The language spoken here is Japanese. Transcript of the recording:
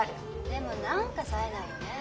でも何かさえないよねえ。